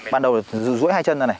bắt đầu là rùi hai chân ra này